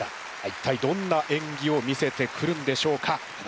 一体どんなえんぎを見せてくるんでしょうか。